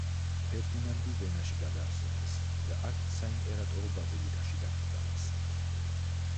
ფერდინანდი ვენაში გადაასვენეს და აქ საიმპერატორო ბაზილიკაში დაკრძალეს.